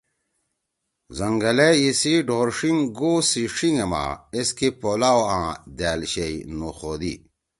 زنگلے ایسی ڈھورݜینگ گو سی ݜیِنگا ما ایسکے پولاؤ آں دأل شئی نُوخودی۔